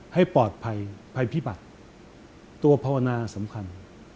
ให้ปลอดภัยภัยพิบัติตัวภาวนาสำคัญ